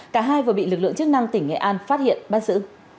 cả hai vừa bị lực lượng chức năng tỉnh nghệ an phát hiện bắt giữ